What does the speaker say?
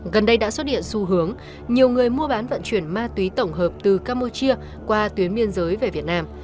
gần đây đã xuất hiện xu hướng nhiều người mua bán vận chuyển ma túy tổng hợp từ campuchia qua tuyến biên giới về việt nam